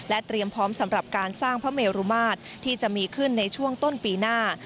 เตรียมพร้อมสำหรับการสร้างพระเมรุมาตรที่จะมีขึ้นในช่วงต้นปีหน้า